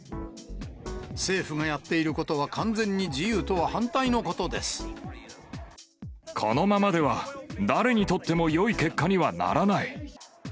政府がやっていることは、このままでは、誰にとってもよい結果にはならない。